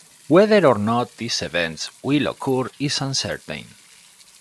Whether or not these events will occur is uncertain.